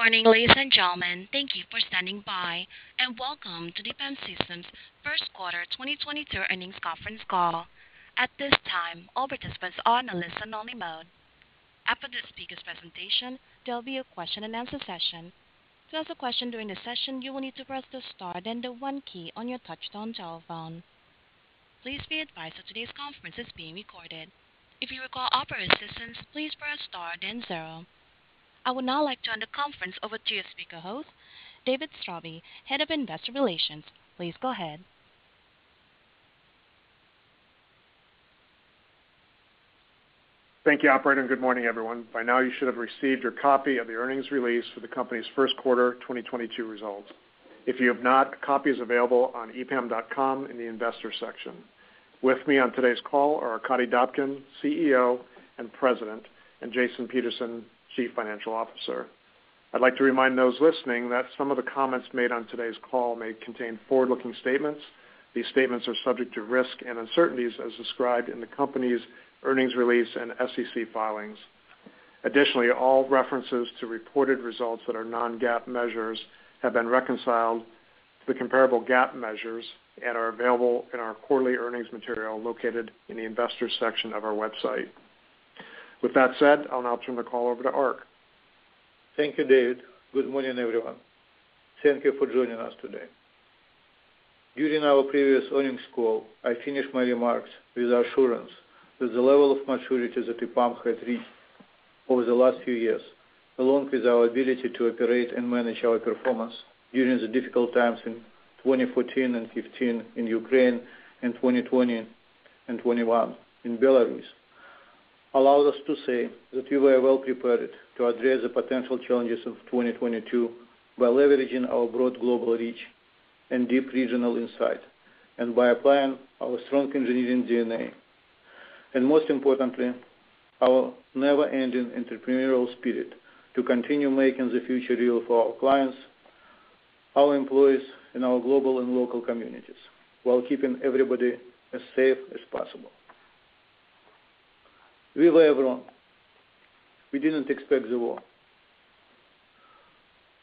Morning, ladies and gentlemen. Thank you for standing by, and welcome to the EPAM Systems Q1 2022 earnings conference call. At this time, all participants are on a listen-only mode. After the speaker's presentation, there'll be a question-and-answer session. To ask a question during the session, you will need to press the star then the one key on your touchtone telephone. Please be advised that today's conference is being recorded. If you require operator assistance, please press star then zero. I would now like to hand the conference over to your speaker host, David Straube, Head of Investor Relations. Please go ahead. Thank you, operator, and good morning, everyone. By now you should have received your copy of the earnings release for the company's Q1 2022 results. If you have not, a copy is available on epam.com in the investor section. With me on today's call are Arkadiy Dobkin, CEO and President, and Jason Peterson, Chief Financial Officer. I'd like to remind those listening that some of the comments made on today's call may contain forward-looking statements. These statements are subject to risk and uncertainties as described in the company's earnings release and SEC filings. Additionally, all references to reported results that are non-GAAP measures have been reconciled to the comparable GAAP measures and are available in our quarterly earnings material located in the investor section of our website. With that said, I'll now turn the call over to Ark. Thank you, David. Good morning, everyone. Thank you for joining us today. During our previous earnings call, I finished my remarks with assurance that the level of maturity that EPAM had reached over the last few years, along with our ability to operate and manage our performance during the difficult times in 2014 and 2015 in Ukraine and 2020 and 2021 in Belarus, allows us to say that we were well prepared to address the potential challenges of 2022 by leveraging our broad global reach and deep regional insight. By applying our strong engineering DNA, and most importantly, our never-ending entrepreneurial spirit to continue making the future real for our clients, our employees, and our global and local communities while keeping everybody as safe as possible. We were wrong. We didn't expect the war.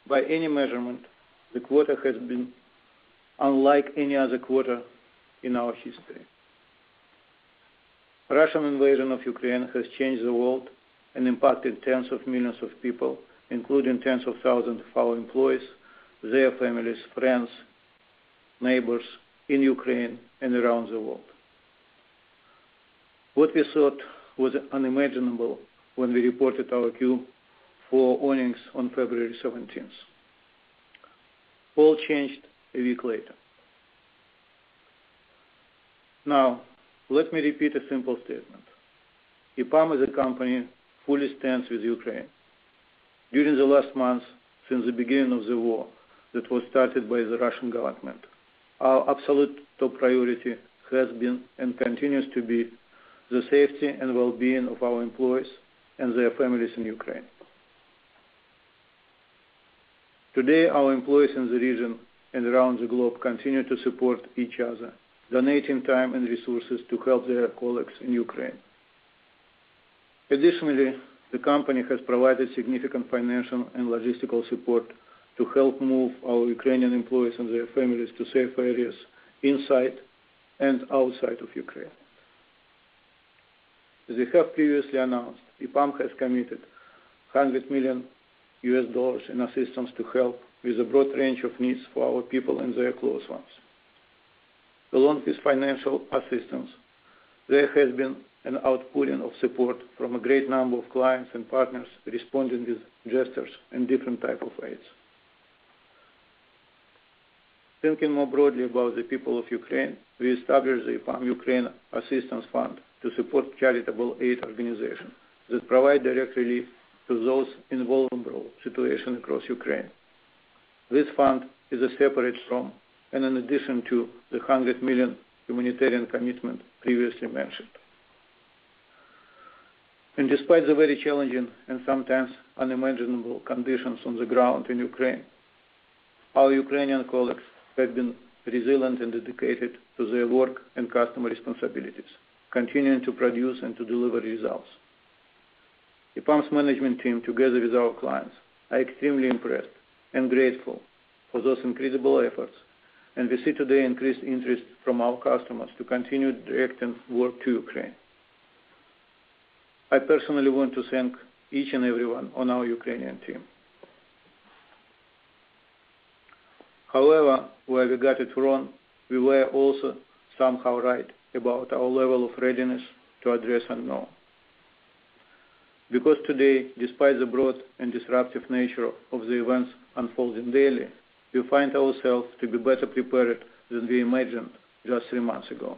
By any measurement, the quarter has been unlike any other quarter in our history. Russian invasion of Ukraine has changed the world and impacted tens of millions of people, including tens of thousands of our employees, their families, friends, neighbors in Ukraine and around the world. What we thought was unimaginable when we reported our Q4 earnings on February seventeenth all changed a week later. Now, let me repeat a simple statement. EPAM as a company fully stands with Ukraine. During the last months since the beginning of the war that was started by the Russian government, our absolute top priority has been and continues to be the safety and well-being of our employees and their families in Ukraine. Today, our employees in the region and around the globe continue to support each other, donating time and resources to help their colleagues in Ukraine. Additionally, the company has provided significant financial and logistical support to help move our Ukrainian employees and their families to safe areas inside and outside of Ukraine. As we have previously announced, EPAM has committed $100 million in assistance to help with a broad range of needs for our people and their close ones. Along with financial assistance, there has been an outpouring of support from a great number of clients and partners responding with gestures and different type of aids. Thinking more broadly about the people of Ukraine, we established the EPAM Ukraine Assistance Fund to support charitable aid organizations that provide direct relief to those in vulnerable situations across Ukraine. This fund is separate from and an addition to the $100 million humanitarian commitment previously mentioned. Despite the very challenging and sometimes unimaginable conditions on the ground in Ukraine, our Ukrainian colleagues have been resilient and dedicated to their work and customer responsibilities, continuing to produce and to deliver results. EPAM's management team, together with our clients, are extremely impressed and grateful for those incredible efforts, and we see today increased interest from our customers to continue directing work to Ukraine. I personally want to thank each and every one on our Ukrainian team. However, where we got it wrong, we were also somehow right about our level of readiness to address the unknown. Because today, despite the broad and disruptive nature of the events unfolding daily, we find ourselves to be better prepared than we imagined just three months ago.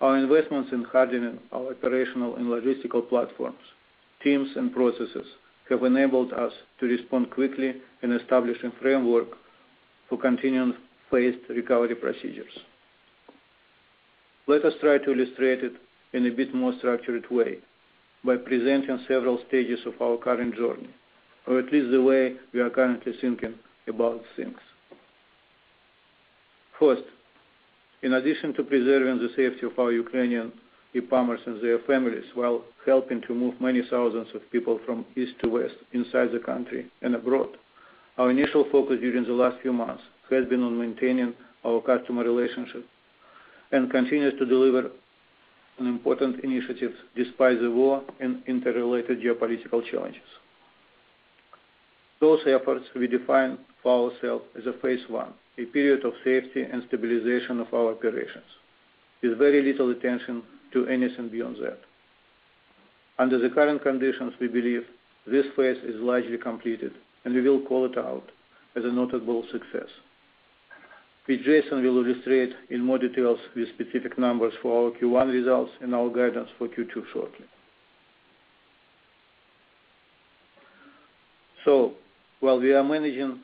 Our investments in hardening our operational and logistical platforms, teams, and processes have enabled us to respond quickly in establishing a framework for continuing phased recovery procedures. Let us try to illustrate it in a bit more structured way by presenting several stages of our current journey, or at least the way we are currently thinking about things. First, in addition to preserving the safety of our Ukrainian EPAMers and their families while helping to move many thousands of people from east to west inside the country and abroad, our initial focus during the last few months has been on maintaining our customer relationship and continues to deliver on important initiatives despite the war and interrelated geopolitical challenges. Those efforts we define for ourselves as a phase one, a period of safety and stabilization of our operations, with very little attention to anything beyond that. Under the current conditions, we believe this phase is largely completed, and we will call it out as a notable success, which Jason will illustrate in more details with specific numbers for our Q1 results and our guidance for Q2 shortly. While we are managing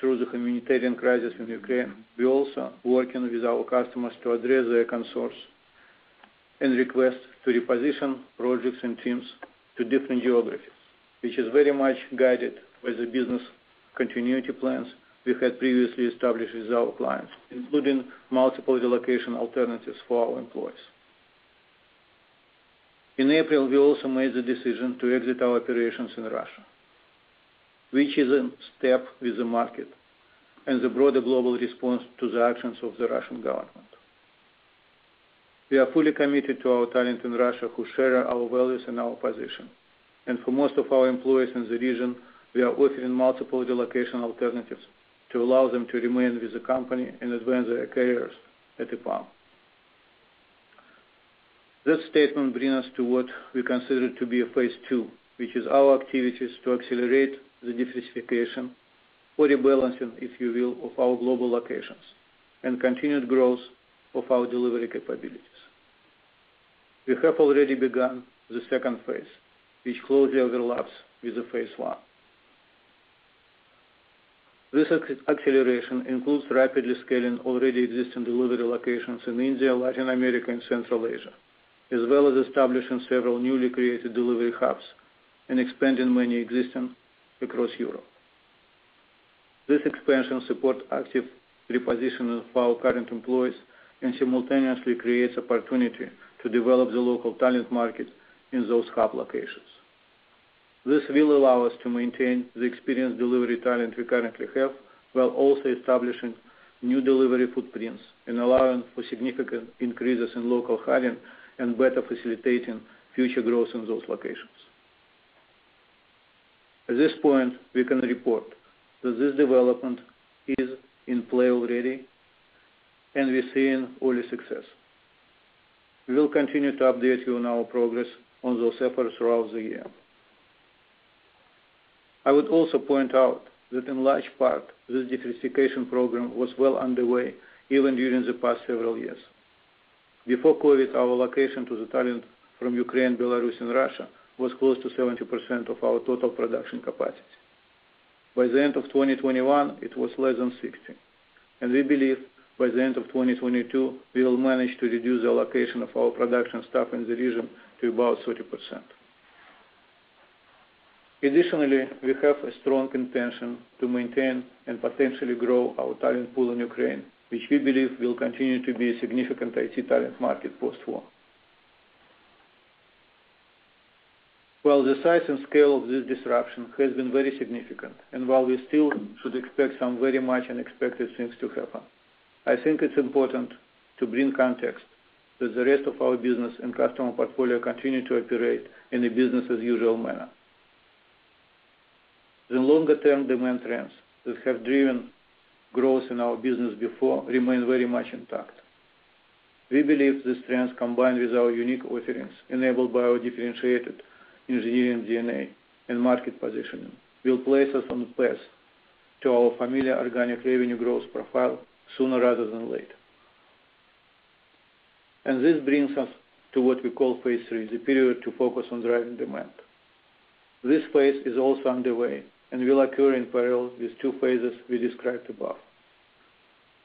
through the humanitarian crisis in Ukraine, we're also working with our customers to address their concerns and requests to reposition projects and teams to different geographies, which is very much guided by the business continuity plans we had previously established with our clients, including multiple relocation alternatives for our employees. In April, we also made the decision to exit our operations in Russia, which is in step with the market and the broader global response to the actions of the Russian government. We are fully committed to our talent in Russia who share our values and our position. For most of our employees in the region, we are offering multiple relocation alternatives to allow them to remain with the company and advance their careers at EPAM. This statement brings us to what we consider to be a phase II, which is our activities to accelerate the diversification or rebalancing, if you will, of our global locations and continued growth of our delivery capabilities. We have already begun the second phase, which closely overlaps with the phase I. This acceleration includes rapidly scaling already existing delivery locations in India, Latin America, and Central Asia, as well as establishing several newly created delivery hubs and expanding many existing across Europe. This expansion supports active repositioning of our current employees and simultaneously creates opportunity to develop the local talent market in those hub locations. This will allow us to maintain the experienced delivery talent we currently have, while also establishing new delivery footprints and allowing for significant increases in local hiring and better facilitating future growth in those locations. At this point, we can report that this development is in play already, and we're seeing early success. We will continue to update you on our progress on those efforts throughout the year. I would also point out that in large part, this diversification program was well underway even during the past several years. Before COVID, our allocation to the talent from Ukraine, Belarus, and Russia was close to 70% of our total production capacity. By the end of 2021, it was less than 60%, and we believe by the end of 2022, we will manage to reduce the allocation of our production staff in the region to about 30%. Additionally, we have a strong intention to maintain and potentially grow our talent pool in Ukraine, which we believe will continue to be a significant IT talent market post-war. While the size and scale of this disruption has been very significant, and while we still should expect some very much unexpected things to happen, I think it's important to bring context that the rest of our business and customer portfolio continue to operate in a business as usual manner. The longer-term demand trends that have driven growth in our business before remain very much intact. We believe the strengths combined with our unique offerings enabled by our differentiated engineering DNA and market positioning will place us on the path to our familiar organic revenue growth profile sooner rather than later. This brings us to what we call phase III, the period to focus on driving demand. This phase is also underway and will occur in parallel with two phases we described above.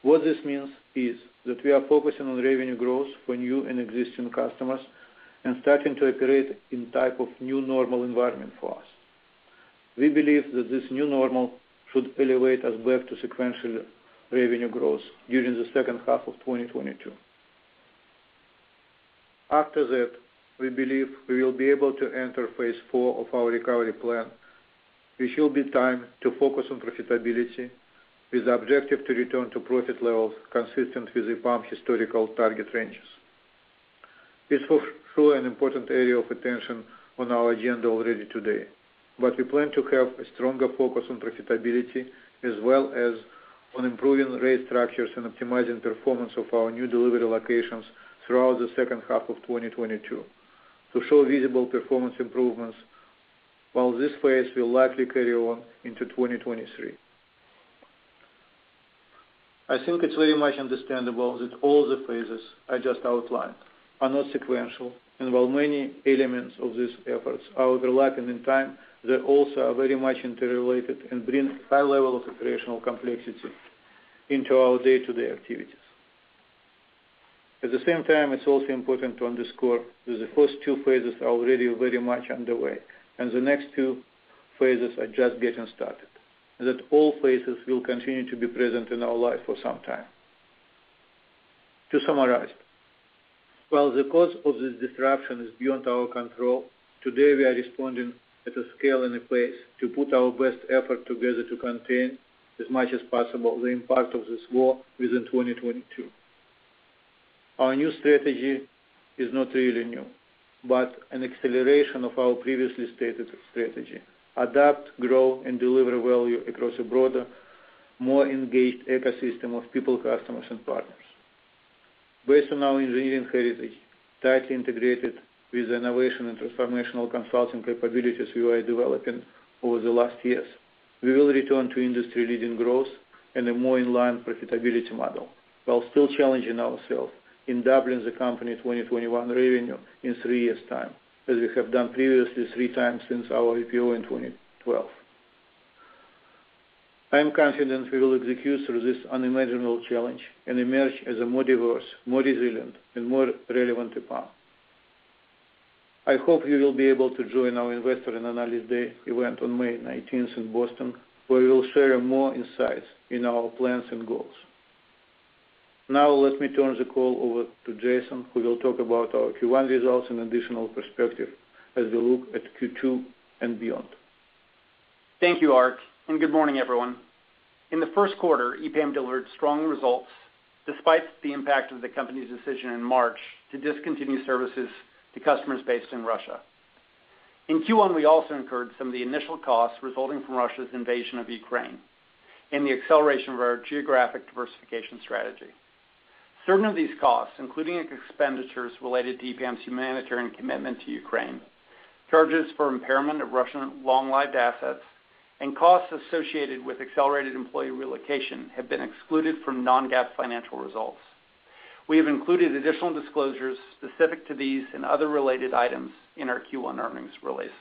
What this means is that we are focusing on revenue growth for new and existing customers and starting to operate in a type of new normal environment for us. We believe that this new normal should elevate us back to sequential revenue growth during the second half of 2022. After that, we believe we will be able to enter phase IV of our recovery plan, which will be time to focus on profitability with the objective to return to profit levels consistent with EPAM historical target ranges. This is truly an important area of attention on our agenda already today, but we plan to have a stronger focus on profitability as well as on improving rate structures and optimizing performance of our new delivery locations throughout the second half of 2022 to show visible performance improvements, while this phase will likely carry on into 2023. I think it's very much understandable that all the phases I just outlined are not sequential, and while many elements of these efforts are overlapping in time, they also are very much interrelated and bring high level of operational complexity into our day-to-day activities. At the same time, it's also important to underscore that the first two phases are already very much underway, and the next two phases are just getting started, that all phases will continue to be present in our life for some time. To summarize, while the cause of this disruption is beyond our control, today we are responding at a scale and a pace to put our best effort together to contain as much as possible the impact of this war within 2022. Our new strategy is not really new, but an acceleration of our previously stated strategy, adapt, grow, and deliver value across a broader, more engaged ecosystem of people, customers, and partners. Based on our engineering heritage, tightly integrated with innovation and transformational consulting capabilities we are developing over the last years, we will return to industry-leading growth and a more in line profitability model, while still challenging ourselves in doubling the company 2021 revenue in three years' time, as we have done previously three times since our IPO in 2012. I am confident we will execute through this unimaginable challenge and emerge as a more diverse, more resilient, and more relevant EPAM. I hope you will be able to join our Investor and Analyst Day event on May 19 in Boston, where we will share more insights into our plans and goals. Now let me turn the call over to Jason, who will talk about our Q1 results and additional perspective as we look at Q2 and beyond. Thank you, Ark, and good morning, everyone. In the first quarter, EPAM delivered strong results despite the impact of the company's decision in March to discontinue services to customers based in Russia. In Q1, we also incurred some of the initial costs resulting from Russia's invasion of Ukraine and the acceleration of our geographic diversification strategy. Certain of these costs, including expenditures related to EPAM's humanitarian commitment to Ukraine, charges for impairment of Russian long-lived assets, and costs associated with accelerated employee relocation, have been excluded from non-GAAP financial results. We have included additional disclosures specific to these and other related items in our Q1 earnings release.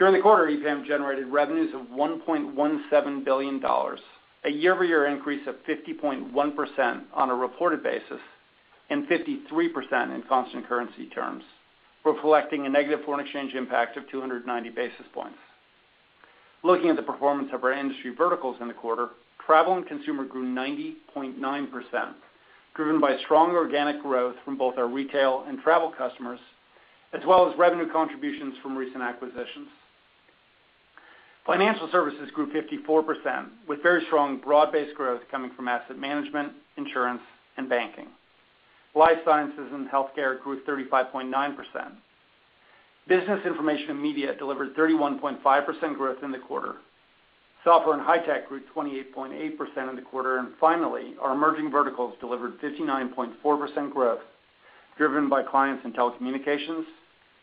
During the quarter, EPAM generated revenues of $1.17 billion, a year-over-year increase of 50.1% on a reported basis and 53% in constant currency terms, reflecting a negative foreign exchange impact of 290 basis points. Looking at the performance of our industry verticals in the quarter, travel and consumer grew 90.9%, driven by strong organic growth from both our retail and travel customers, as well as revenue contributions from recent acquisitions. Financial services grew 54%, with very strong broad-based growth coming from asset management, insurance, and banking. Life sciences and healthcare grew 35.9%. Business information and media delivered 31.5% growth in the quarter. Software and high-tech grew 28.8% in the quarter. Finally, our emerging verticals delivered 59.4% growth, driven by clients in telecommunications,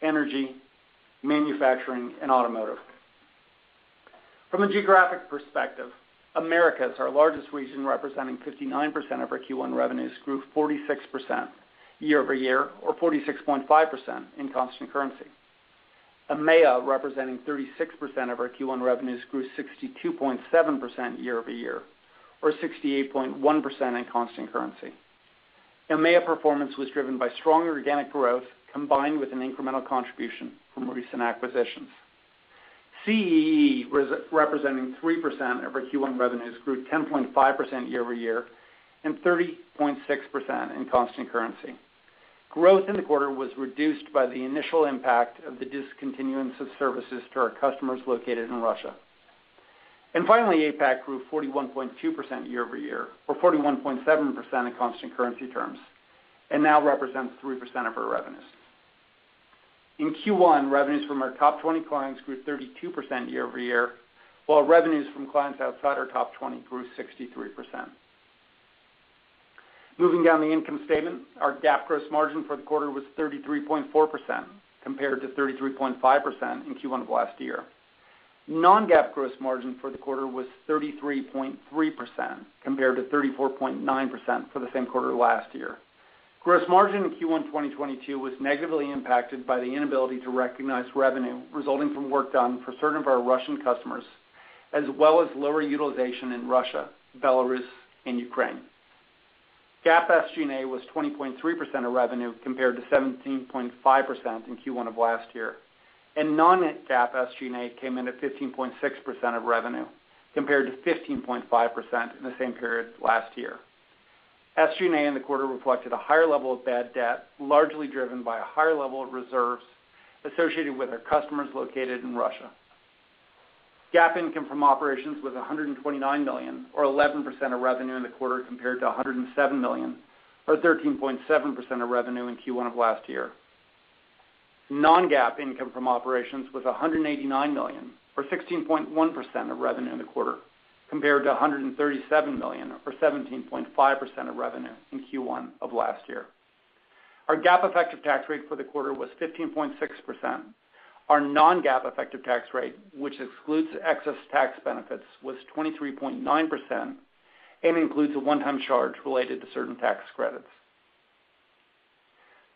energy, manufacturing, and automotive. From a geographic perspective, Americas, our largest region representing 59% of our Q1 revenues, grew 46% year-over-year or 46.5% in constant currency. EMEA, representing 36% of our Q1 revenues, grew 62.7% year-over-year or 68.1% in constant currency. EMEA performance was driven by strong organic growth combined with an incremental contribution from recent acquisitions. CEE representing 3% of our Q1 revenues grew 10.5% year-over-year and 30.6% in constant currency. Growth in the quarter was reduced by the initial impact of the discontinuance of services to our customers located in Russia. Finally, APAC grew 41.2% year-over-year, or 41.7% in constant currency terms, and now represents 3% of our revenues. In Q1, revenues from our top 20 clients grew 32% year-over-year, while revenues from clients outside our top 20 grew 63%. Moving down the income statement, our GAAP gross margin for the quarter was 33.4% compared to 33.5% in Q1 of last year. Non-GAAP gross margin for the quarter was 33.3% compared to 34.9% for the same quarter last year. Gross margin in Q1 2022 was negatively impacted by the inability to recognize revenue resulting from work done for certain of our Russian customers, as well as lower utilization in Russia, Belarus, and Ukraine. GAAP SG&A was 20.3% of revenue compared to 17.5% in Q1 of last year, and non-GAAP SG&A came in at 15.6% of revenue compared to 15.5% in the same period last year. SG&A in the quarter reflected a higher level of bad debt, largely driven by a higher level of reserves associated with our customers located in Russia. GAAP income from operations was $129 million or 11% of revenue in the quarter compared to $107 million or 13.7% of revenue in Q1 of last year. Non-GAAP income from operations was $189 million or 16.1% of revenue in the quarter compared to $137 million or 17.5% of revenue in Q1 of last year. Our GAAP effective tax rate for the quarter was 15.6%. Our non-GAAP effective tax rate, which excludes excess tax benefits, was 23.9% and includes a one-time charge related to certain tax credits.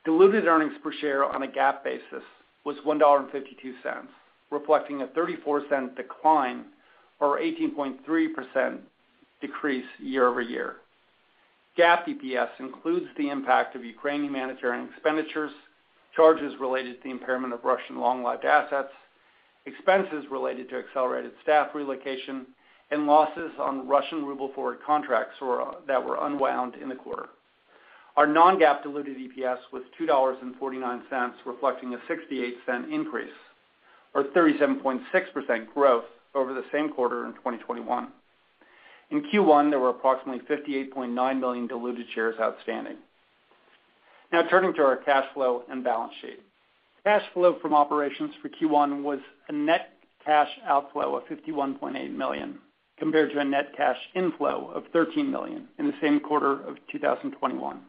Diluted earnings per share on a GAAP basis was $1.52, reflecting a $0.34 decline or 18.3% decrease year-over-year. GAAP EPS includes the impact of Ukrainian humanitarian expenditures, charges related to the impairment of Russian long-lived assets, expenses related to accelerated staff relocation, and losses on Russian ruble forward contracts that were unwound in the quarter. Our non-GAAP diluted EPS was $2.49, reflecting a $0.68 increase or 37.6% growth over the same quarter in 2021. In Q1, there were approximately 58.9 million diluted shares outstanding. Now turning to our cash flow and balance sheet. Cash flow from operations for Q1 was a net cash outflow of $51.8 million, compared to a net cash inflow of $13 million in the same quarter of 2021.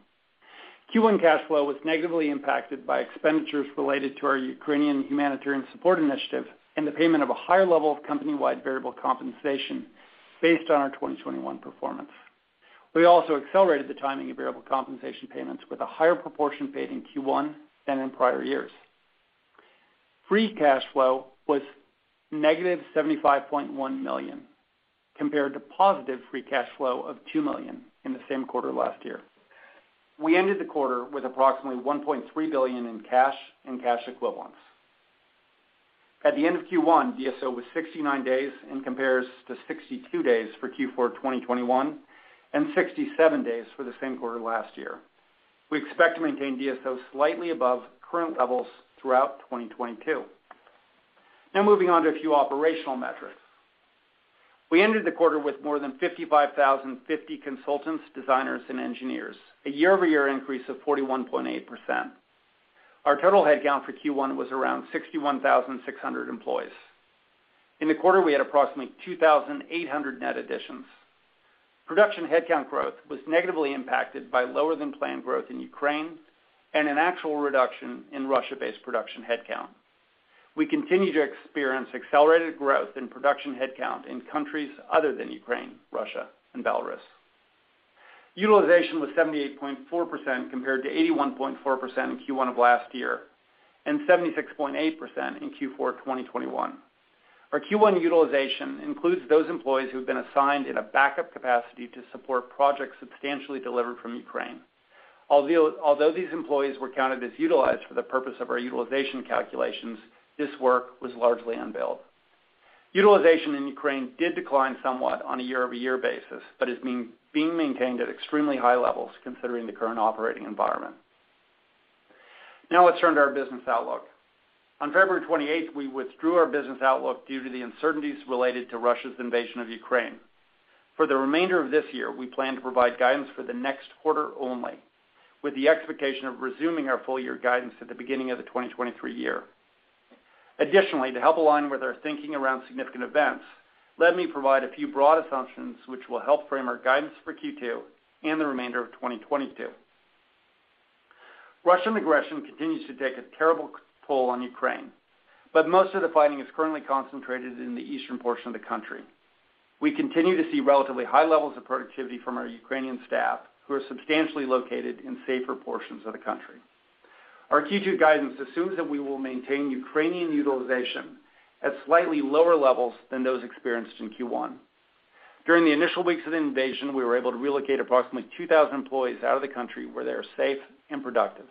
Q1 cash flow was negatively impacted by expenditures related to our Ukrainian humanitarian support initiative and the payment of a higher level of company-wide variable compensation based on our 2021 performance. We also accelerated the timing of variable compensation payments with a higher proportion paid in Q1 than in prior years. Free cash flow was negative $75.1 million, compared to positive free cash flow of $2 million in the same quarter last year. We ended the quarter with approximately $1.3 billion in cash and cash equivalents. At the end of Q1, DSO was 69 days and compares to 62 days for Q4 2021 and 67 days for the same quarter last year. We expect to maintain DSO slightly above current levels throughout 2022. Now moving on to a few operational metrics. We ended the quarter with more than 55,050 consultants, designers, and engineers, a year-over-year increase of 41.8%. Our total headcount for Q1 was around 61,600 employees. In the quarter, we had approximately 2,800 net additions. Production headcount growth was negatively impacted by lower than planned growth in Ukraine and an actual reduction in Russia-based production headcount. We continue to experience accelerated growth in production headcount in countries other than Ukraine, Russia, and Belarus. Utilization was 78.4% compared to 81.4% in Q1 of last year, and 76.8% in Q4 2021. Our Q1 utilization includes those employees who have been assigned in a backup capacity to support projects substantially delivered from Ukraine. Although these employees were counted as utilized for the purpose of our utilization calculations, this work was largely unbilled. Utilization in Ukraine did decline somewhat on a year-over-year basis, but is being maintained at extremely high levels considering the current operating environment. Now let's turn to our business outlook. On February 28th, we withdrew our business outlook due to the uncertainties related to Russia's invasion of Ukraine. For the remainder of this year, we plan to provide guidance for the next quarter only, with the expectation of resuming our full year guidance at the beginning of the 2023 year. Additionally, to help align with our thinking around significant events, let me provide a few broad assumptions which will help frame our guidance for Q2 and the remainder of 2022. Russian aggression continues to take a terrible toll on Ukraine, but most of the fighting is currently concentrated in the eastern portion of the country. We continue to see relatively high levels of productivity from our Ukrainian staff, who are substantially located in safer portions of the country. Our Q2 guidance assumes that we will maintain Ukrainian utilization at slightly lower levels than those experienced in Q1. During the initial weeks of the invasion, we were able to relocate approximately 2,000 employees out of the country where they are safe and productive.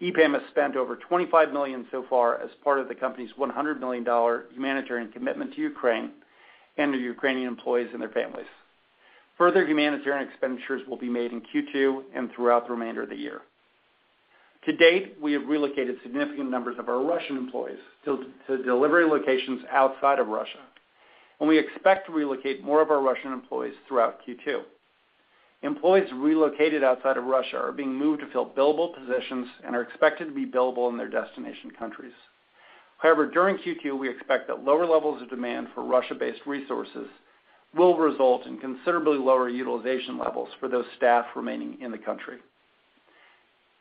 EPAM has spent over $25 million so far as part of the company's $100 million humanitarian commitment to Ukraine and their Ukrainian employees and their families. Further humanitarian expenditures will be made in Q2 and throughout the remainder of the year. To date, we have relocated significant numbers of our Russian employees to delivery locations outside of Russia, and we expect to relocate more of our Russian employees throughout Q2. Employees relocated outside of Russia are being moved to fill billable positions and are expected to be billable in their destination countries. However, during Q2, we expect that lower levels of demand for Russia-based resources will result in considerably lower utilization levels for those staff remaining in the country.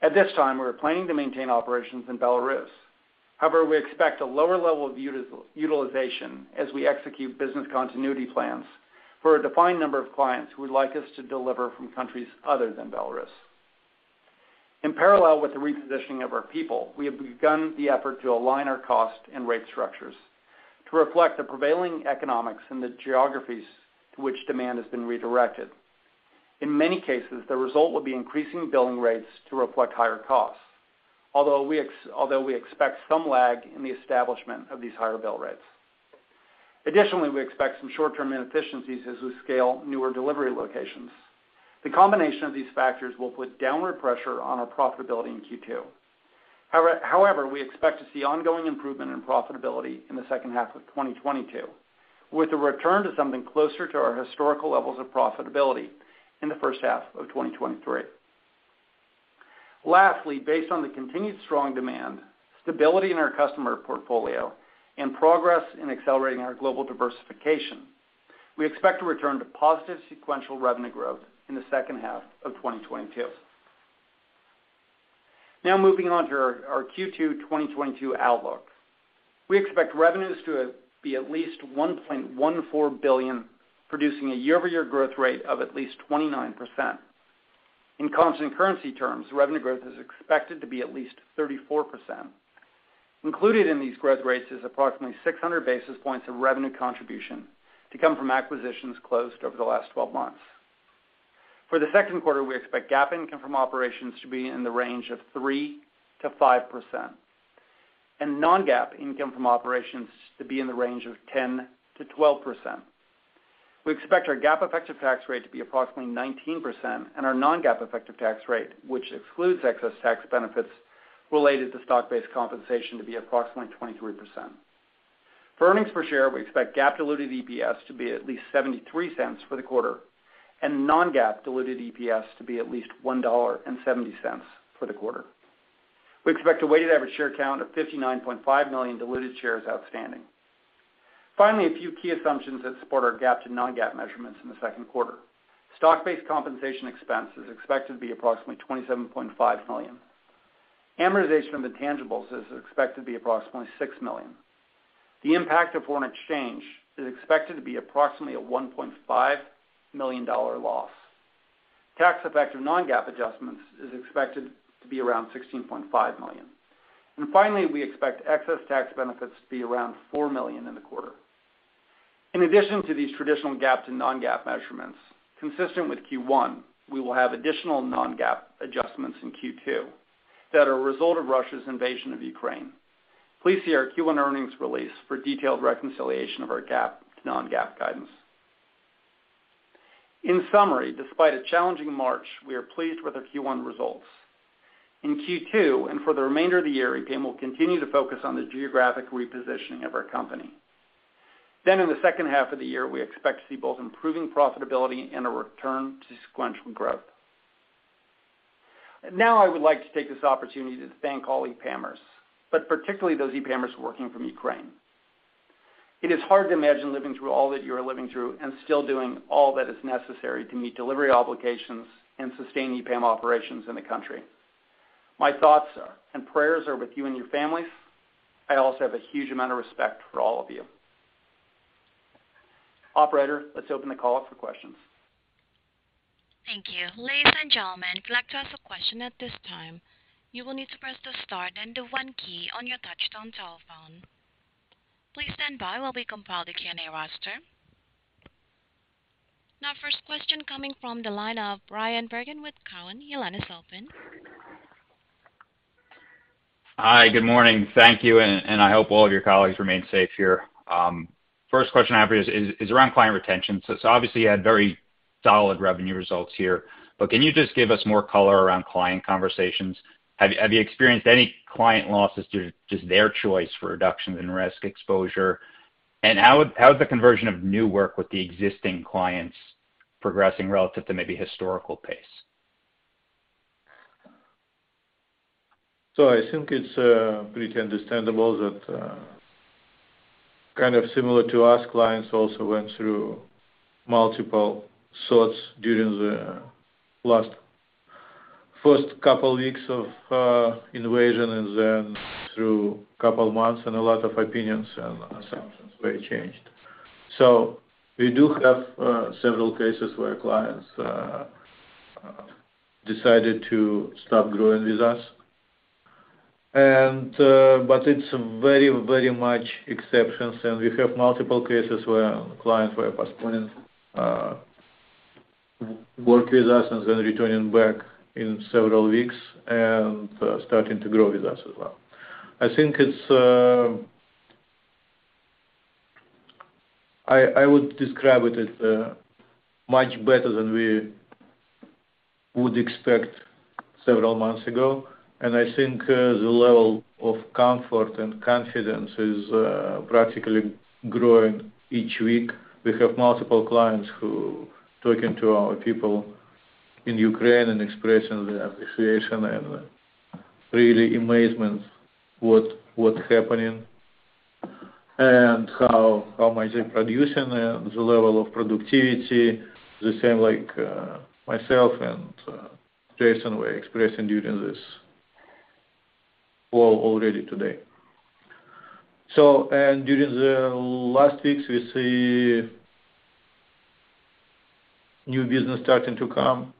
At this time, we're planning to maintain operations in Belarus. However, we expect a lower level of utilization as we execute business continuity plans for a defined number of clients who would like us to deliver from countries other than Belarus. In parallel with the repositioning of our people, we have begun the effort to align our cost and rate structures to reflect the prevailing economics in the geographies to which demand has been redirected. In many cases, the result will be increasing billing rates to reflect higher costs. Although we expect some lag in the establishment of these higher bill rates. Additionally, we expect some short-term inefficiencies as we scale newer delivery locations. The combination of these factors will put downward pressure on our profitability in Q2. However, we expect to see ongoing improvement in profitability in the second half of 2022, with a return to something closer to our historical levels of profitability in the first half of 2023. Lastly, based on the continued strong demand, stability in our customer portfolio, and progress in accelerating our global diversification, we expect to return to positive sequential revenue growth in the second half of 2022. Now moving on to our Q2 2022 outlook. We expect revenues to be at least $1.14 billion, producing a year-over-year growth rate of at least 29%. In constant currency terms, revenue growth is expected to be at least 34%. Included in these growth rates is approximately 600 basis points of revenue contribution to come from acquisitions closed over the last twelve months. For the second quarter, we expect GAAP income from operations to be in the range of 3%-5%, and non-GAAP income from operations to be in the range of 10%-12%. We expect our GAAP effective tax rate to be approximately 19% and our non-GAAP effective tax rate, which excludes excess tax benefits related to stock-based compensation, to be approximately 23%. For earnings per share, we expect GAAP diluted EPS to be at least $0.73 for the quarter and non-GAAP diluted EPS to be at least $1.70 for the quarter. We expect a weighted average share count of 59.5 million diluted shares outstanding. Finally, a few key assumptions that support our GAAP to non-GAAP measurements in the second quarter. Stock-based compensation expense is expected to be approximately $27.5 million. Amortization of intangibles is expected to be approximately $6 million. The impact of foreign exchange is expected to be approximately a $1.5 million loss. Tax effect of non-GAAP adjustments is expected to be around $16.5 million. Finally, we expect excess tax benefits to be around $4 million in the quarter. In addition to these traditional GAAP to non-GAAP measurements, consistent with Q1, we will have additional non-GAAP adjustments in Q2 that are a result of Russia's invasion of Ukraine. Please see our Q1 earnings release for detailed reconciliation of our GAAP to non-GAAP guidance. In summary, despite a challenging March, we are pleased with our Q1 results. In Q2, and for the remainder of the year, EPAM will continue to focus on the geographic repositioning of our company. In the second half of the year, we expect to see both improving profitability and a return to sequential growth. Now, I would like to take this opportunity to thank all EPAMers, but particularly those EPAMers working from Ukraine. It is hard to imagine living through all that you are living through and still doing all that is necessary to meet delivery obligations and sustain EPAM operations in the country. My thoughts and prayers are with you and your families. I also have a huge amount of respect for all of you. Operator, let's open the call up for questions. Thank you. Ladies and gentlemen, if you'd like to ask a question at this time, you will need to press the star then the one key on your touchtone telephone. Please stand by while we compile the Q&A roster. Now, first question coming from the line of Bryan Bergin with Cowen. Your line is open. Hi, good morning. Thank you. I hope all of your colleagues remain safe here. First question I have is around client retention. It's obviously you had very solid revenue results here. Can you just give us more color around client conversations? Have you experienced any client losses due just their choice for reduction in risk exposure? How is the conversion of new work with the existing clients progressing relative to maybe historical pace? I think it's pretty understandable that similar to us, clients also went through multiple sorts during the first couple of weeks of invasion and then through couple of months, and a lot of opinions and assumptions were changed. We do have several cases where clients decided to stop growing with us but it's very, very much exceptions, and we have multiple cases where clients were postponing work with us and then returning back in several weeks and starting to grow with us as well. I would describe it as much better than we would expect several months ago. I think the level of comfort and confidence is practically growing each week. We have multiple clients who talking to our people in Ukraine and expressing their appreciation and really amazement what's happening and how much they're producing and the level of productivity, the same like myself and Jason were expressing during this call already today. During the last weeks, we see new business starting to come.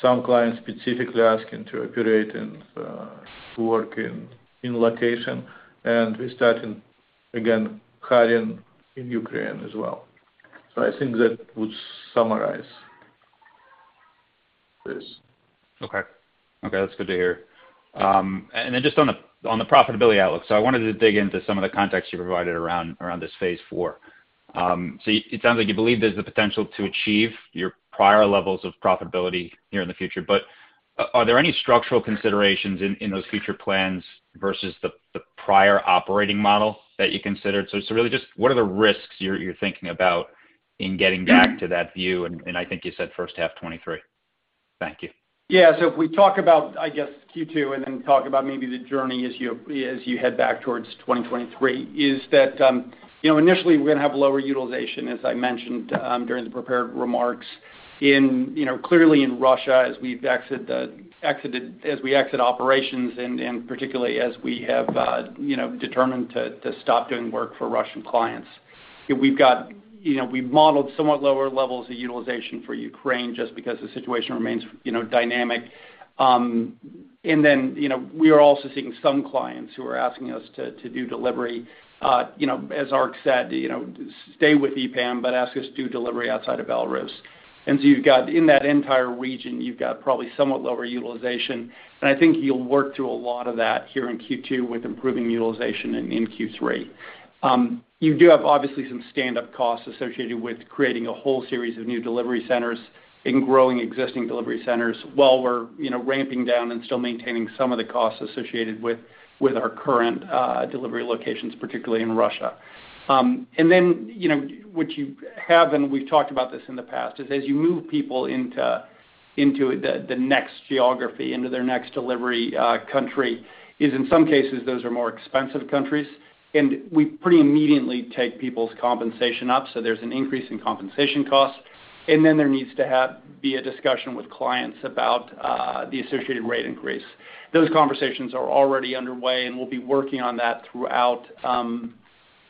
Some clients specifically asking to operate and to work in location, and we're starting again hiring in Ukraine as well. I think that would summarize this. Okay. That's good to hear. Then just on the profitability outlook. I wanted to dig into some of the context you provided around this phase IV. It sounds like you believe there's the potential to achieve your prior levels of profitability here in the future. Are there any structural considerations in those future plans versus the prior operating model that you considered? Really just what are the risks you're thinking about in getting back to that view, and I think you said first half 2023. Thank you. Yes. If we talk about Q2, and then talk about maybe the journey as you head back towards 2023, is that, initially we're going to have lower utilization, as I mentioned, during the prepared remarks. Clearly in Russia, as we exit operations, and particularly as we have determined to stop doing work for Russian clients. We've modeled somewhat lower levels of utilization for Ukraine just because the situation remains dynamic. Then, we are also seeing some clients who are asking us to do delivery. As Ark said, stay with EPAM, but ask us to do delivery outside of Belarus. In that entire region, you've got probably somewhat lower utilization. I think you'll work through a lot of that here in Q2 with improving utilization and in Q3. You do have obviously some standup costs associated with creating a whole series of new delivery centers and growing existing delivery centers while we're ramping down and still maintaining some of the costs associated with our current delivery locations, particularly in Russia. Then, what you have, and we've talked about this in the past, is as you move people into the next geography, into their next delivery country, is in some cases those are more expensive countries. We pretty immediately take people's compensation up, so there's an increase in compensation costs. Then there needs to be a discussion with clients about the associated rate increase. Those conversations are already underway, and we'll be working on that throughout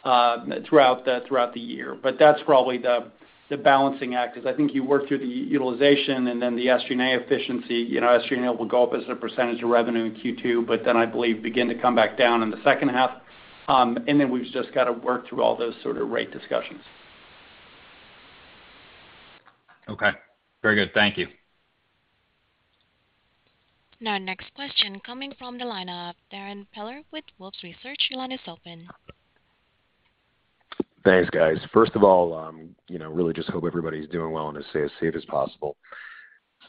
the year. That's probably the balancing act is I think you work through the utilization and then the SG&A efficiency. SG&A will go up as a percentage of revenue in Q2, but then I believe begin to come back down in the second half. We've just got to work through all those sort of rate discussions. Okay. Very good. Thank you. Now next question coming from the line of Darrin Peller with Wolfe Research, your line is open. Thanks, guys. First of all, really just hope everybody's doing well and as safe as possible.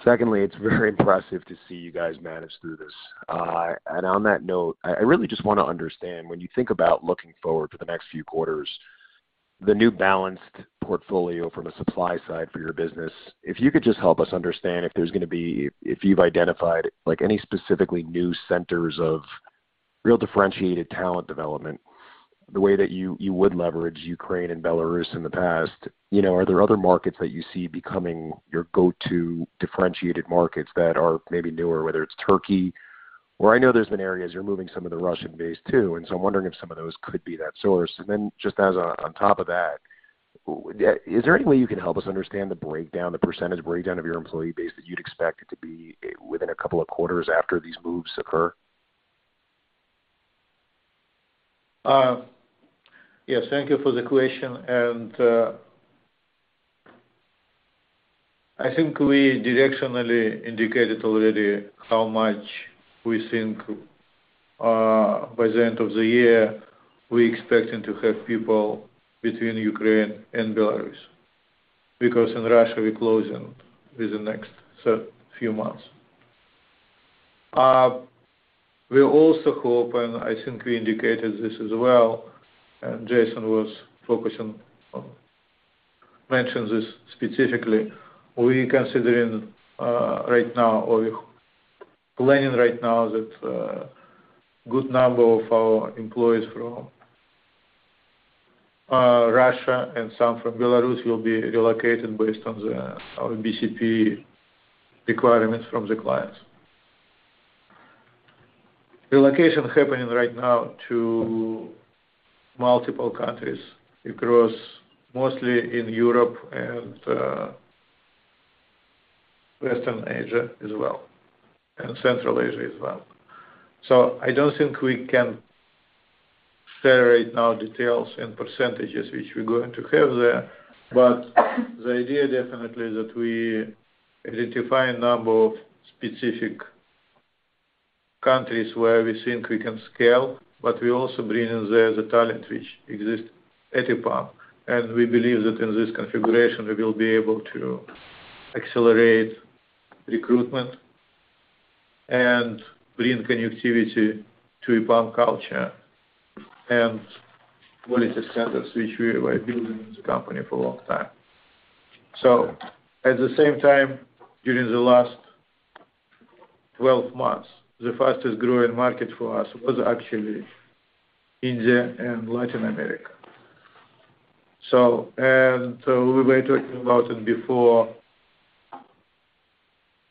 Secondly, it's very impressive to see you guys manage through this. On that note, I really just want to understand, when you think about looking forward to the next few quarters, the new balanced portfolio from a supply side for your business, if you could just help us understand if you've identified, like, any specifically new centers of real differentiated talent development the way that you would leverage Ukraine and Belarus in the past. Are there other markets that you see becoming your go-to differentiated markets that are maybe newer, whether it's Turkey, or I know there's been areas, you're moving some of the Russian base too, and so I'm wondering if some of those could be that source. Just as on top of that, is there any way you can help us understand the breakdown, the percentage breakdown of your employee base that you'd expect it to be within a couple of quarters after these moves occur? Yes, thank you for the question. I think we directionally indicated already how much we think, by the end of the year, we're expecting to have people between Ukraine and Belarus because in Russia we're closing within next few months. We also hope, and I think we indicated this as well, and Jason was focused on mentioning this specifically, we are considering right now or planning right now that good number of our employees from Russia and some from Belarus will be relocated based on our BCP requirements from the clients. Relocation happening right now to multiple countries across mostly in Europe and Western Asia as well, and Central Asia as well. I don't think we can share right now details and percentages which we're going to have there. The idea definitely is that we identify a number of specific countries where we think we can scale, but we also bring in there the talent which exists at EPAM. We believe that in this configuration, we will be able to accelerate recruitment and bring connectivity to EPAM culture and quality standards which we were building in the company for a long time. At the same time, during the last 12 months, the fastest growing market for us was actually India and Latin America. We were talking about it before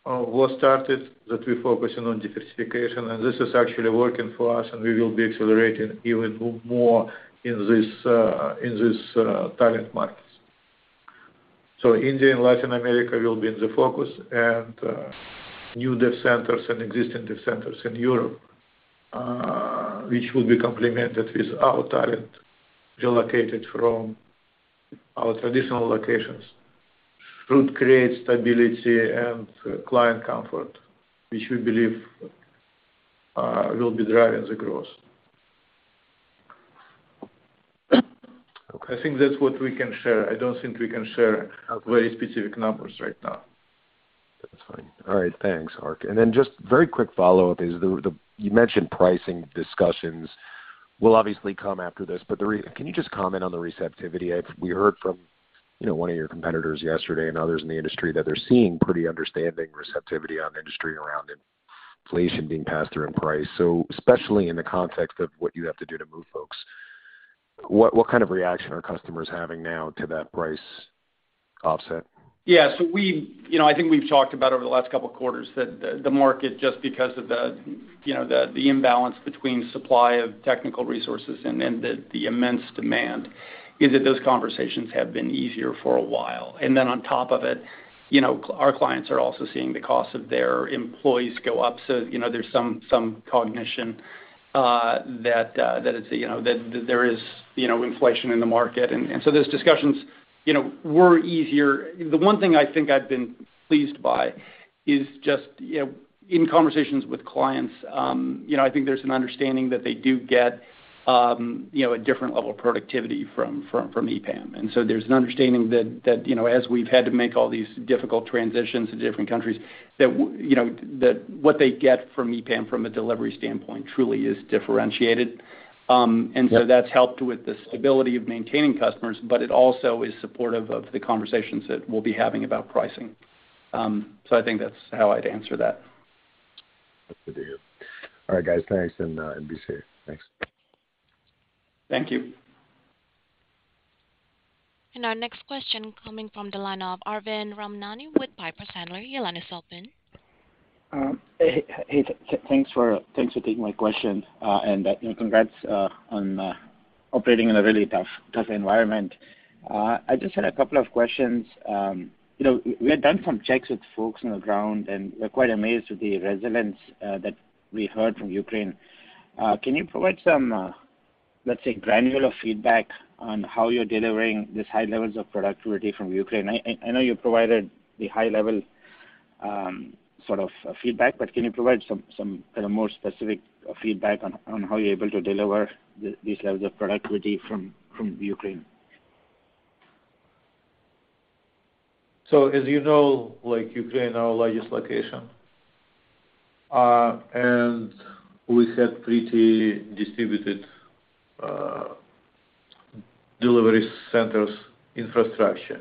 war started that we're focusing on diversification, and this is actually working for us, and we will be accelerating even more in this talent markets. India and Latin America will be the focus and new dev centers and existing dev centers in Europe, which will be complemented with our talent relocated from our traditional locations should create stability and client comfort, which we believe will be driving the growth. Okay. I think that's what we can share. I don't think we can share very specific numbers right now. That's fine. All right. Thanks, Ark. Just very quick follow-up you mentioned pricing discussions will obviously come after this. Can you just comment on the receptivity? We heard from one of your competitors yesterday and others in the industry that they're seeing pretty understanding receptivity in industry around it. Inflation being passed through in price. Especially in the context of what you have to do to move folks, what kind of reaction are customers having now to that price offset? Yes. I think we've talked about over the last couple of quarters that the market, just because of the imbalance between supply of technical resources and then the immense demand, is that those conversations have been easier for a while. On top of it, our clients are also seeing the cost of their employees go up. There's some recognition that there is inflation in the market. Those discussions were easier. The one thing I think I've been pleased by is just in conversations with clients, I think there's an understanding that they do get a different level of productivity from EPAM. There's an understanding that as we've had to make all these difficult transitions to different countries that what they get from EPAM from a delivery standpoint truly is differentiated. That's helped with the stability of maintaining customers, but it also is supportive of the conversations that we'll be having about pricing. I think that's how I'd answer that. That's good to hear. All right, guys. Thanks, and be safe. Thanks. Thank you. Our next question coming from the line of Arvind Ramnani with Piper Sandler. Your line is open. Hey, thanks for taking my question. Congrats on operating in a really tough environment. I just had a couple of questions. We have done some checks with folks on the ground, and we're quite amazed with the resonance that we heard from Ukraine. Can you provide some granular feedback on how you're delivering these high levels of productivity from Ukraine? I know you provided the high level feedback, but can you provide some more specific feedback on how you're able to deliver these levels of productivity from Ukraine? As you know, Ukraine is our largest location, and we had pretty distributed delivery centers infrastructure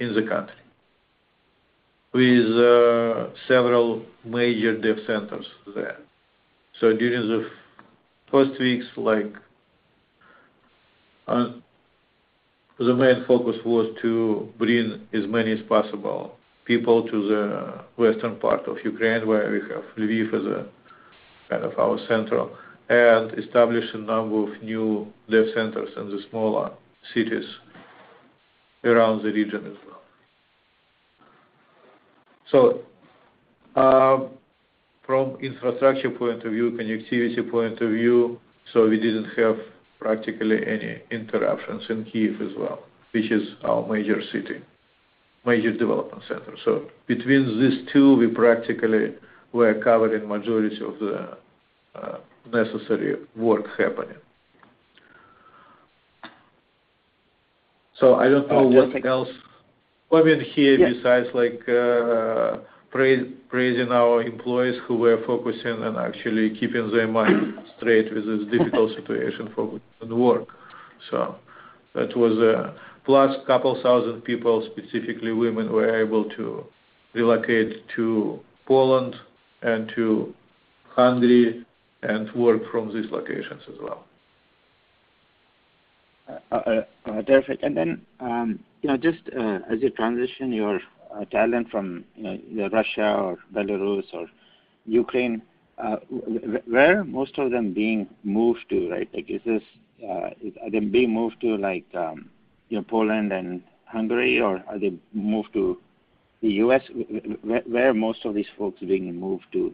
in the country with several major dev centers there. During the first weeks, the main focus was to bring as many as possible people to the western part of Ukraine, where we have Lviv as a our center, and establish a number of new dev centers in the smaller cities around the region as well. From infrastructure point of view, connectivity point of view, so we didn't have practically any interruptions in Kyiv as well, which is our major city, major development center. Between these two, we practically were covering majority of the necessary work happening. I don't know what else here besides like praising our employees who were focusing on actually keeping their mind straight with this difficult situation for work. That was plus 2,000 people, specifically women, were able to relocate to Poland and to Hungary and work from these locations as well. Perfect. Just as you transition your talent from Russia or Belarus or Ukraine, where are most of them being moved to? Are they being moved to Poland and Hungary, or are they moved to the U.S.? Where are most of these folks being moved to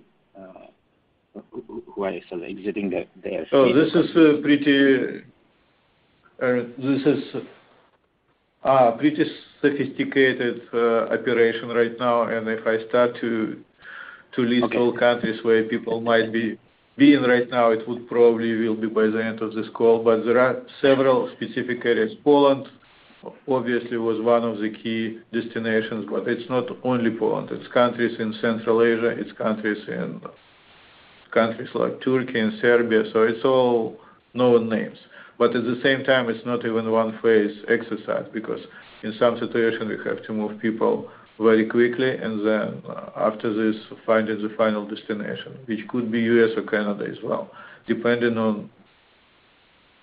who are still exiting their state? This is a pretty sophisticated operation right now, and if I start to list all countries where people might be in right now, it would probably will be by the end of this call. There are several specific areas. Poland obviously was one of the key destinations, but it's not only Poland. It's countries in Central Asia, it's countries like Turkey and Serbia, so it's all known names. At the same time, it's not even one phase exercise because in some situation we have to move people very quickly and then after this find the final destination, which could be U.S. or Canada as well, depending on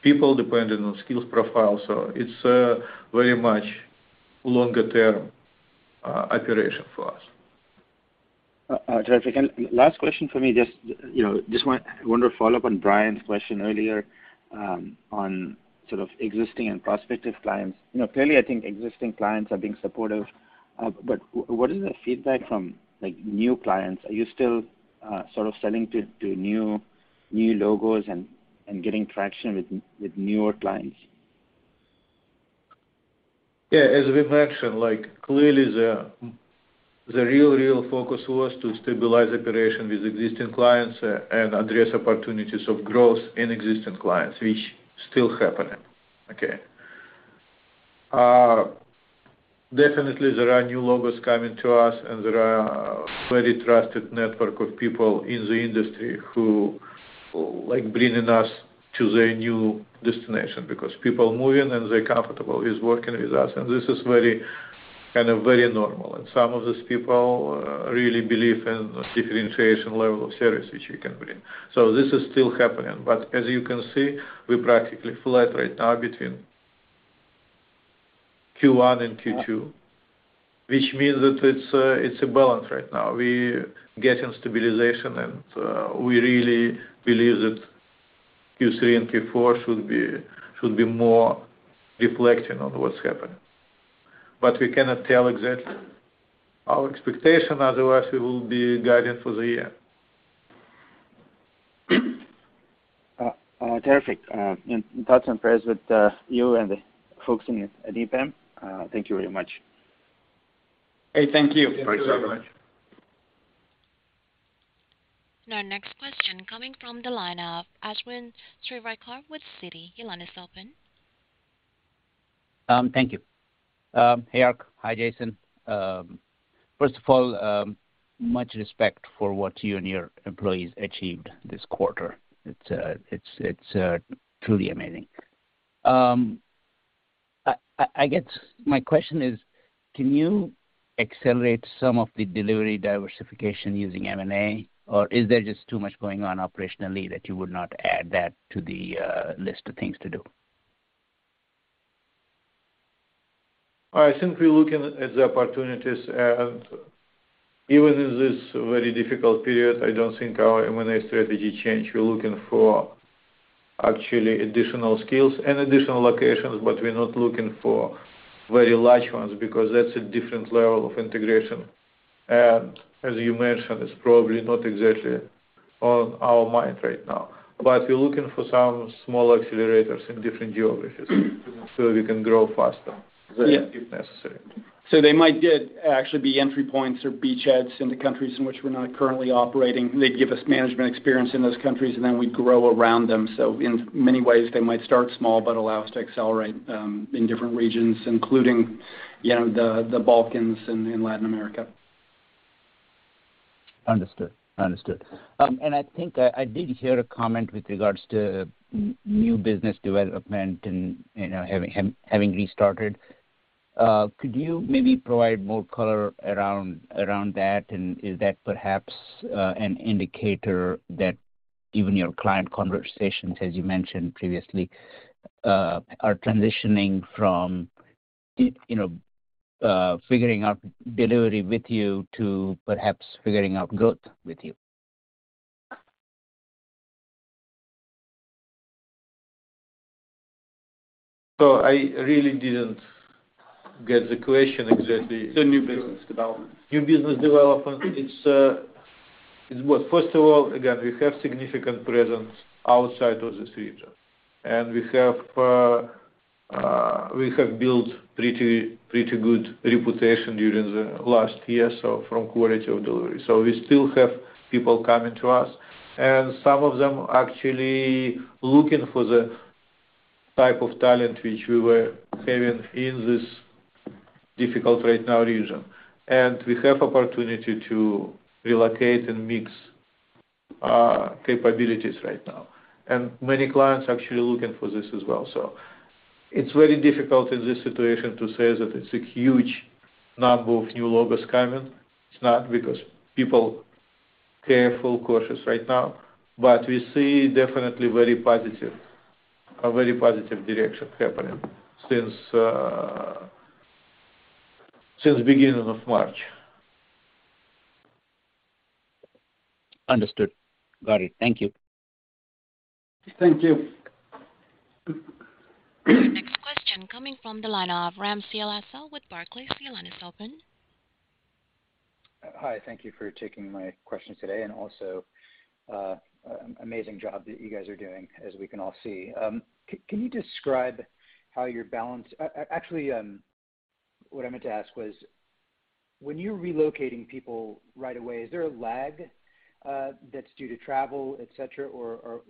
people, and depending on skills profile. It's a very much longer term operation for us. Terrific. Last question for me, just want to follow up on Bryan's question earlier on existing and prospective clients. Clearly, I think existing clients are being supportive, but what is the feedback from like new clients? Are you still selling to new logos and getting traction with newer clients? Yes. As we've mentioned, clearly the real focus was to stabilize operation with existing clients and address opportunities of growth in existing clients, which still happening. Definitely, there are new logos coming to us, and there are very trusted network of people in the industry who like bringing us to their new destination because people moving and they're comfortable is working with us, and this is very normal. Some of these people really believe in differentiation level of service which we can bring. This is still happening. As you can see, we practically flat right now between Q1 and Q2, which means that it's a balance right now. We're getting stabilization, and we really believe that Q3 and Q4 should be more reflecting on what's happening. We cannot tell exactly our expectation, otherwise we will be guiding for the year. Terrific. Thoughts and prayers with you and the folks in EPAM. Thank you very much. Hey, thank you. Thanks very much. Our next question coming from the line of Ashwin Shirvaikar with Citi. Your line is open. Thank you. Hey, Ark. Hi, Jason. First of all, much respect for what you and your employees achieved this quarter. It's truly amazing. I guess my question is, can you accelerate some of the delivery diversification using M&A or is there just too much going on operationally that you would not add that to the list of things to do? I think we're looking at the opportunities. Even in this very difficult period, I don't think our M&A strategy change. We're looking for actually additional skills and additional locations, but we're not looking for very large ones because that's a different level of integration. As you mentioned, it's probably not exactly on our mind right now. We're looking for some small accelerators in different geographies so we can grow faster If necessary. They might actually be entry points or beachheads into countries in which we're not currently operating. They'd give us management experience in those countries, and then we grow around them. In many ways, they might start small, but allow us to accelerate in different regions, including the Balkans and Latin America. Understood. I think I did hear a comment with regards to new business development and having restarted. Could you maybe provide more color around that? Is that perhaps an indicator that even your client conversations, as you mentioned previously, are transitioning from figuring out delivery with you to perhaps figuring out growth with you? I really didn't get the question exactly. The new business development. New business development. First of all, again, we have significant presence outside of this region. We have built pretty good reputation during the last year, so from quality of delivery. We still have people coming to us. Some of them are actually looking for the type of talent which we were having in this difficult right now region. We have an opportunity to relocate and mix capabilities right now, and many clients actually looking for this as well. It's very difficult in this situation to say that it's a huge number of new logos coming. It's not because people careful, cautious right now. We see definitely very positive direction happening since beginning of March. Understood. Got it. Thank you. Thank you. Next question coming from the line of Ramsey El-Assal with Barclays. Your line is open. Hi. Thank you for taking my questions today, and also, amazing job that you guys are doing, as we can all see. Actually, what I meant to ask was, when you're relocating people right away, is there a lag that's due to travel, etc., or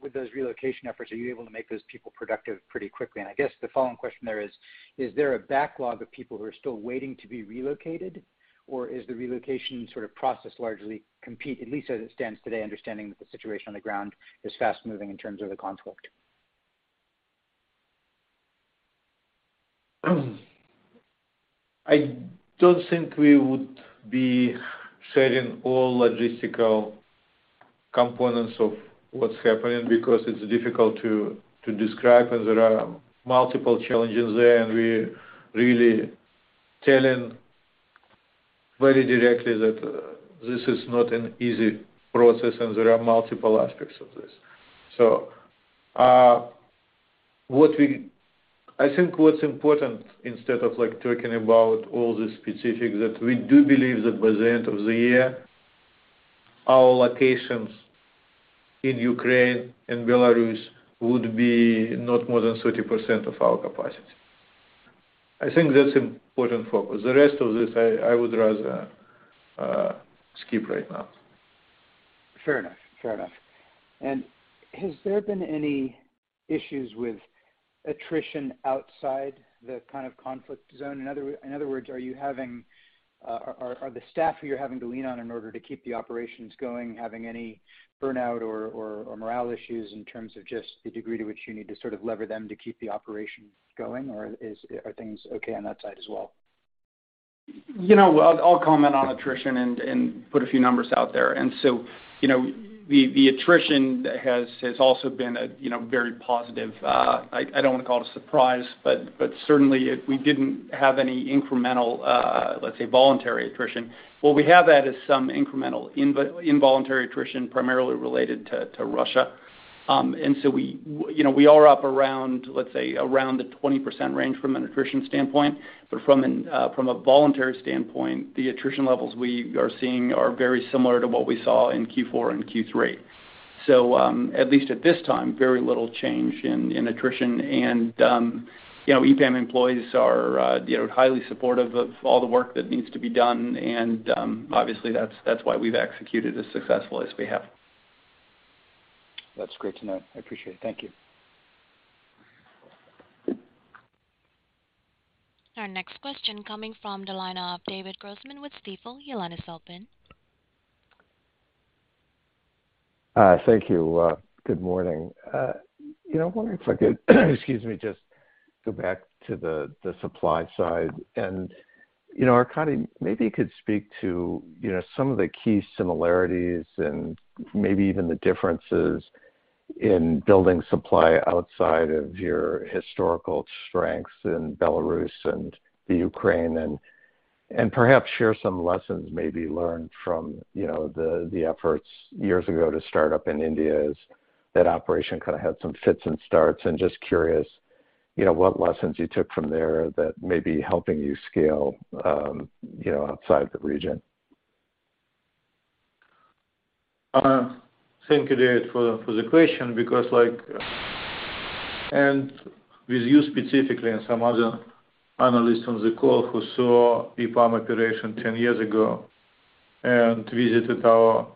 with those relocation efforts, are you able to make those people productive pretty quickly? I guess the following question there is, is there a backlog of people who are still waiting to be relocated or is the relocation sort of process largely complete, at least as it stands today, understanding that the situation on the ground is fast moving in terms of the conflict? I don't think we would be sharing all logistical components of what's happening because it's difficult to describe, and there are multiple challenges there. We're really telling very directly that this is not an easy process, and there are multiple aspects of this. I think what's important instead of talking about all the specifics that we do believe that by the end of the year, our locations in Ukraine and Belarus would be not more than 30% of our capacity. I think that's important focus. The rest of this I would rather skip right now. Fair enough. Has there been any issues with attrition outside the conflict zone? In other words, are the staff who you're having to lean on in order to keep the operations going, having any burnout or morale issues in terms of just the degree to which you need to sort of lever them to keep the operations going or are things okay on that side as well? I'll comment on attrition and put a few numbers out there. The attrition has also been a very positive... I don't want to call it a surprise, but certainly, we didn't have any incremental, let's say, voluntary attrition. What we have had is some incremental involuntary attrition, primarily related to Russia. We are up around, let's say around the 20% range from an attrition standpoint. From a voluntary standpoint, the attrition levels we are seeing are very similar to what we saw in Q4 and Q3. At least at this time, very little change in attrition. EPAM employees are highly supportive of all the work that needs to be done, and obviously that's why we've executed as successfully as we have. That's great to know. I appreciate it. Thank you. Our next question coming from the line of David Grossman with Stifel. Your line is open. Hi. Thank you. Good morning. I wonder if I could just go back to the supply side. Arkadiy, maybe you could speak to some of the key similarities and maybe even the differences in building supply outside of your historical strengths in Belarus and the Ukraine, and perhaps share some lessons maybe learned from the efforts years ago to start up in India, as that operation had some fits and starts. Just curious what lessons you took from there that may be helping you scale outside the region. Thank you, David, for the question because, with you specifically and some other analysts on the call who saw EPAM operation 10 years ago and visited our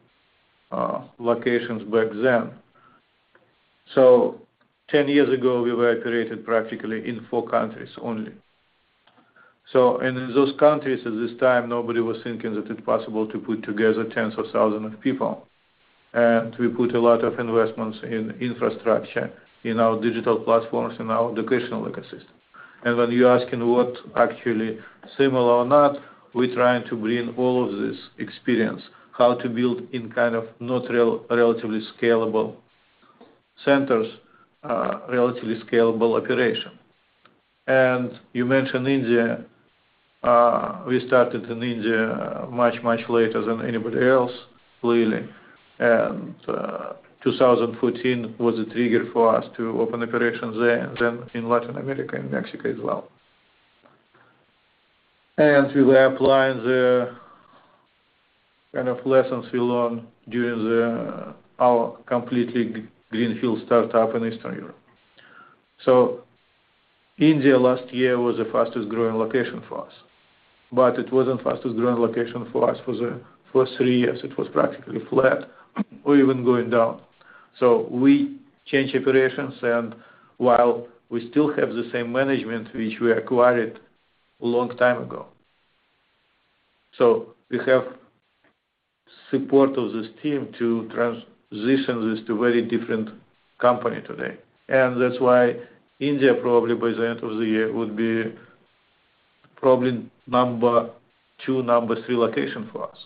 locations back then, 10 years ago, we were created practically in four countries only. In those countries at this time, nobody was thinking that it's possible to put together tens of thousands of people. We put a lot of investments in infrastructure, in our digital platforms, in our educational ecosystem. When you're asking what's actually similar or not, we're trying to bring all of this experience, how to build in relatively scalable centers, relatively scalable operation. You mentioned India. We started in India much, much later than anybody else, clearly. 2014 was a trigger for us to open operations there, and then in Latin America and Mexico as well. We were applying the lessons we learned during our completely greenfield startup in Eastern Europe. India last year was the fastest growing location for us, but it wasn't fastest growing location for us for the first three years. It was practically flat or even going down. We changed operations and while we still have the same management, which we acquired a long time ago. We have support of this team to transition this to very different company today. That's why India probably by the end of the year would be probably number two or number three location for us.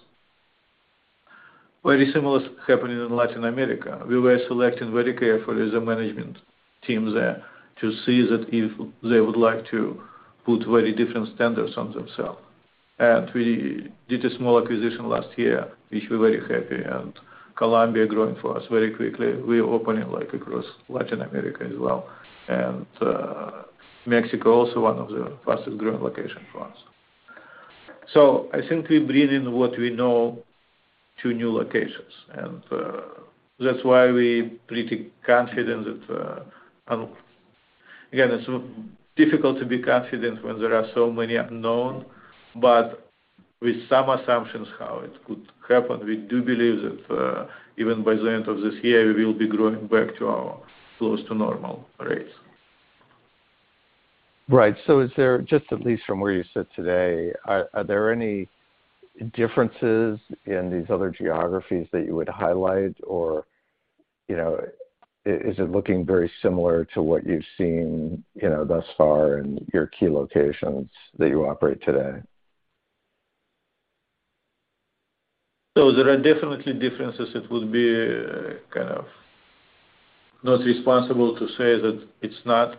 Very similar is happening in Latin America. We were selecting very carefully the management team there to see that if they would like to put very different standards on themselves. We did a small acquisition last year, which we're very happy, and Colombia growing for us very quickly. We're opening across Latin America as well. Mexico also one of the fastest growing location for us. I think we bring in what we know to new locations, and that's why we're pretty confident that, again, it's difficult to be confident when there are so many unknowns, but with some assumptions how it could happen, we do believe that even by the end of this year, we will be growing back to our close to normal rates. Just at least from where you sit today, are there any differences in these other geographies that you would highlight or is it looking very similar to what you've seen thus far in your key locations that you operate today? There are definitely differences. It would be not responsible to say that it's not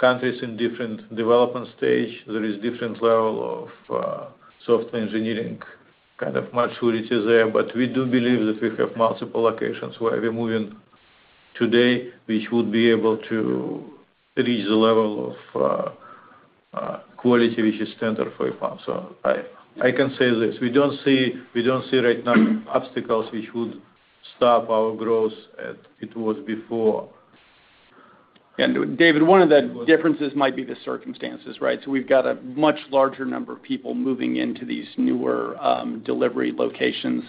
countries in different development stage, there is different level of software engineering maturity there. We do believe that we have multiple locations where we're moving today, which would be able to reach the level of quality which is standard for EPAM. I can say this: We don't see right now obstacles which would stop our growth as it was before. David, one of the differences might be the circumstances. We've got a much larger number of people moving into these newer delivery locations.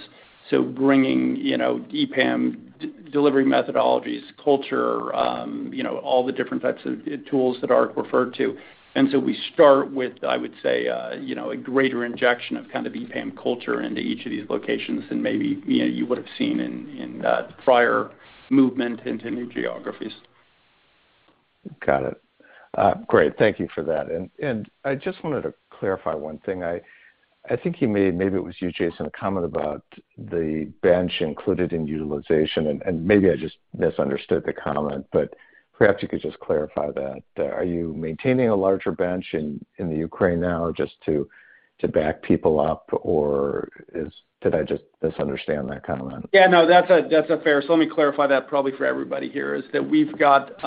Bringing EPAM delivery methodologies, culture, and all the different types of tools that are referred to. We start with, I would say, a greater injection of EPAM culture into each of these locations than maybe you would've seen in prior movement into new geographies. Got it. Great. Thank you for that. I just wanted to clarify one thing. I think you made, maybe it was you, Jason, a comment about the bench included in utilization, and maybe I just misunderstood the comment, but perhaps you could just clarify that. Are you maintaining a larger bench in the Ukraine now just to back people up or did I just misunderstand that comment? Let me clarify that probably for everybody here, is that we've got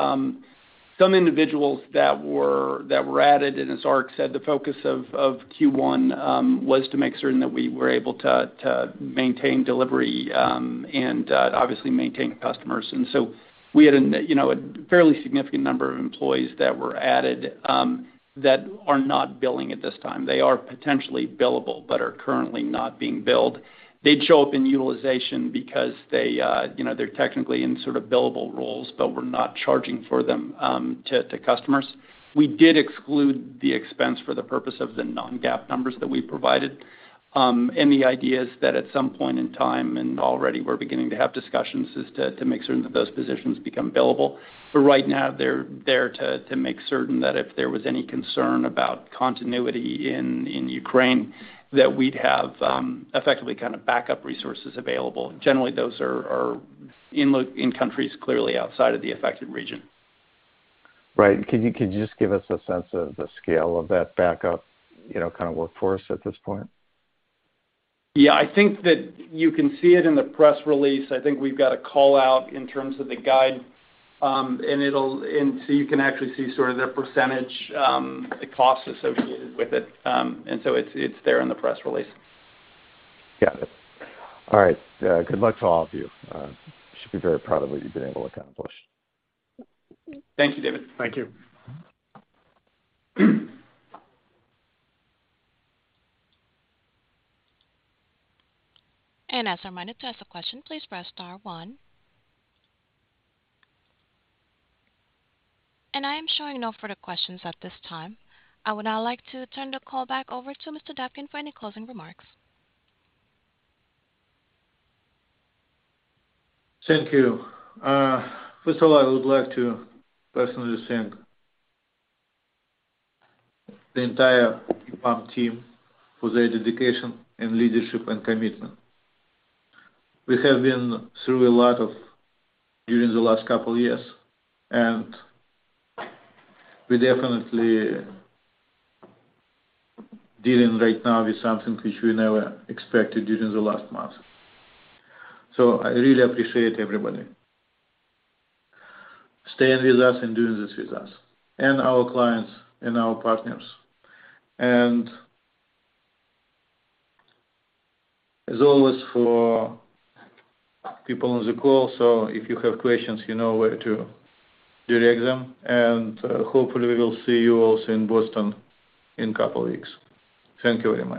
some individuals that were added. As Ark said, the focus of Q1 was to make certain that we were able to maintain delivery and obviously maintain customers. We had a fairly significant number of employees that were added that are not billing at this time. They are potentially billable but are currently not being billed. They show up in utilization because they're technically in billable roles, but we're not charging for them to customers. We did exclude the expense for the purpose of the non-GAAP numbers that we provided. The idea is that at some point in time, and already we're beginning to have discussions, is to make certain that those positions become billable. Right now they're there to make certain that if there was any concern about continuity in Ukraine, that we'd have effectively backup resources available. Generally, those are in countries clearly outside of the affected region. Can you just give us a sense of the scale of that backup workforce at this point? Yes. I think that you can see it in the press release. I think we've got a call-out in terms of the guide. You can actually see the percentage, the cost associated with it. It's there in the press release. Got it. All right. Good luck to all of you. Should be very proud of what you've been able to accomplish. Thank you, David. Thank you. As a reminder, to ask a question, please press star one. I am showing no further questions at this time. I would now like to turn the call back over to Mr. Dobkin for any closing remarks. Thank you. First of all, I would like to personally thank the entire EPAM team for their dedication and leadership and commitment. We have been through a lot during the last couple years, and we're definitely dealing right now with something which we never expected during the last month. I really appreciate everybody staying with us and doing this with us, and our clients and our partners. As always, for people on the call, so if you have questions, you know where to direct them. Hopefully we will see you also in Boston in a couple of weeks. Thank you very much.